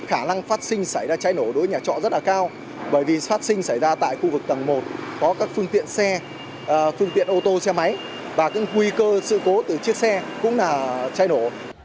khả năng phát sinh xảy ra cháy nổ đối với nhà trọ rất là cao bởi vì phát sinh xảy ra tại khu vực tầng một có các phương tiện xe phương tiện ô tô xe máy và nguy cơ sự cố từ chiếc xe cũng là cháy nổ